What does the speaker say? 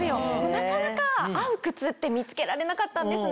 なかなか合う靴って見つけられなかったんですね。